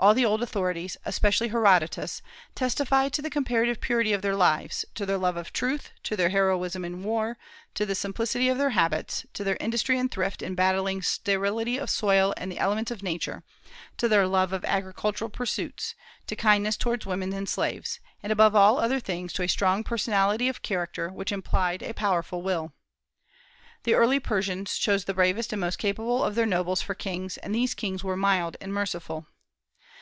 All the old authorities, especially Herodotus, testify to the comparative purity of their lives, to their love of truth, to their heroism in war, to the simplicity of their habits, to their industry and thrift in battling sterility of soil and the elements of Nature, to their love of agricultural pursuits, to kindness towards women and slaves, and above all other things to a strong personality of character which implied a powerful will. The early Persians chose the bravest and most capable of their nobles for kings, and these kings were mild and merciful.